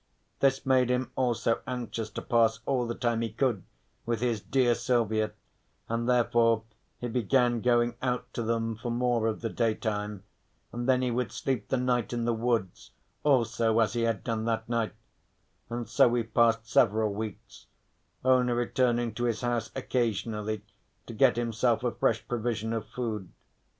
This made him also anxious to pass all the time he could with his dear Silvia, and, therefore, he began going out to them for more of the daytime, and then he would sleep the night in the woods also as he had done that night; and so he passed several weeks, only returning to his house occasionally to get himself a fresh provision of food.